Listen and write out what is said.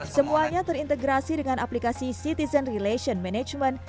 semuanya terintegrasi dengan aplikasi citizen relation management